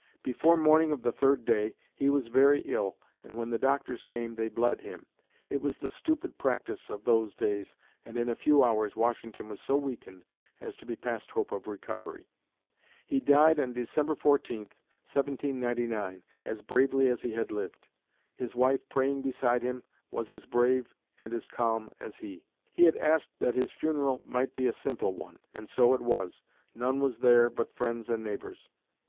Before morning of the third day, he was very ill and when the doctors came, they bled him. It was the stupid practice of those days and in a few hours Washington was so weakened as to be past hope of recovery. He died on December 14, 1799, as bravely as he had lived. His wife praying beside him was as brave and calm as he. He had asked that his funeral might be a simple one, and so it was. None was there but friends and neighbors.